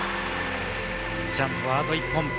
ジャンプはあと１本。